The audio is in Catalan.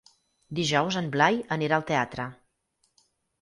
Dijous en Blai anirà al teatre.